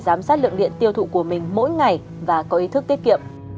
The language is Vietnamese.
giám sát lượng điện tiêu thụ của mình mỗi ngày và có ý thức tiết kiệm